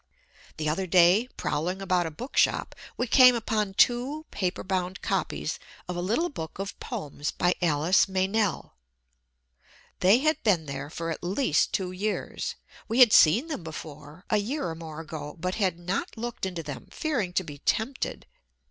The other day, prowling about a bookshop, we came upon two paper bound copies of a little book of poems by Alice Meynell. They had been there for at least two years. We had seen them before, a year or more ago, but had not looked into them fearing to be tempted.